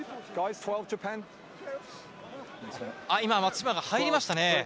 今、松島が入りましたね。